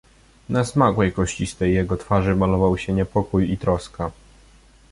"Na smagłej, kościstej jego twarzy malował się niepokój i troska."